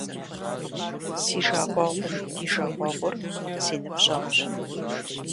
Си жагъуэгъум и жагъуэгъур - си ныбжьэгъущ.